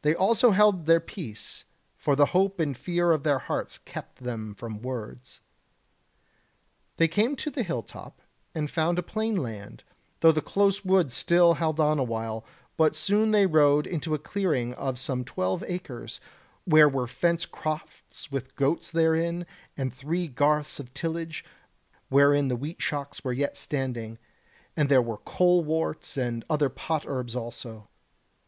They also held their peace; for the hope and fear of their hearts kept them from words. They came to the hill top, and found a plain land, though the close wood still held on a while; but soon they rode into a clearing of some twelve acres, where were fenced crofts with goats therein, and three garths of tillage, wherein the wheat shocks were yet standing, and there were coleworts and other pot herbs also.